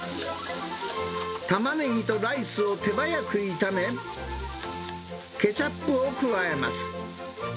タマネギとライスを手早く炒め、ケチャップを加えます。